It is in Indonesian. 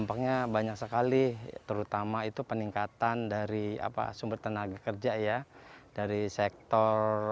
pulau untung jawa juga mengusung konsep wisata ramah lingkungan berkelanjutan